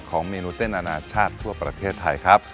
เมนูเส้นอนาชาติทั่วประเทศไทยครับ